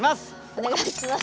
お願いします。